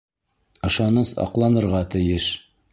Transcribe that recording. Ышаныс аҡланырға тейеш